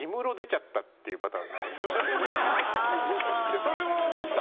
それも思った。